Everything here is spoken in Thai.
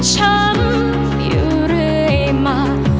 ช้ำอยู่เรื่อยมา